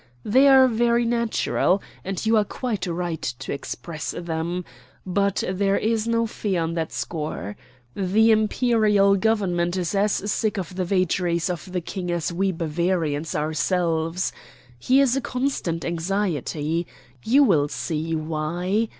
They are very natural, and you are quite right to express them; but there is no fear on that score. The Imperial Government is as sick of the vagaries of the King as we Bavarians ourselves. He is a constant anxiety. You will see why.